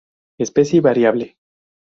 Especie variable.